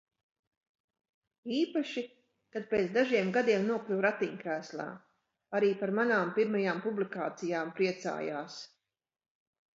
Īpaši, kad pēc dažiem gadiem nokļuva ratiņkrēslā. Arī par manām pirmajām publikācijām priecājās.